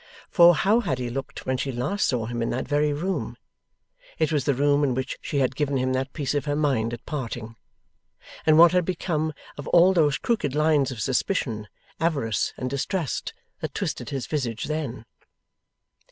For, how had he looked when she last saw him in that very room (it was the room in which she had given him that piece of her mind at parting), and what had become of all those crooked lines of suspicion, avarice, and distrust, that twisted his visage then?